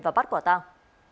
và bắt quả tang